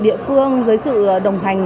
địa phương dưới sự đồng hành